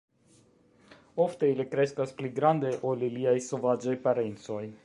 Ofte ili kreskas pli grande ol iliaj sovaĝaj parencoj.